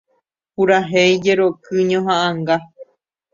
Purahéi jeroky ñohaʼãnga.